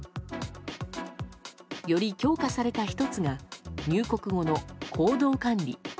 より強化された１つが入国後の行動管理。